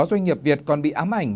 doanh nghiệp việt còn bị ám ảnh